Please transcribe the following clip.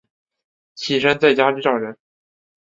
起身在家里找人